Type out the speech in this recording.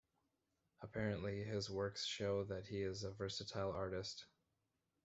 Apparently, his works show that he is a versatile artist.